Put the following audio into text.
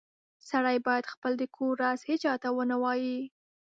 سړی باید خپل د کور راز هیچاته و نه وایې